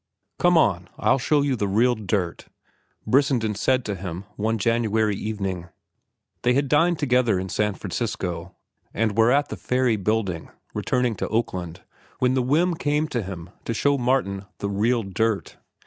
"Come on,—I'll show you the real dirt," Brissenden said to him, one evening in January. They had dined together in San Francisco, and were at the Ferry Building, returning to Oakland, when the whim came to him to show Martin the "real dirt."